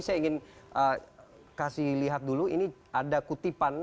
saya ingin kasih lihat dulu ini ada kutipan